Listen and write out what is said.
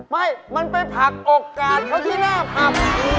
ไม่มันไปผลักอกกาดเขาที่หน้าผับ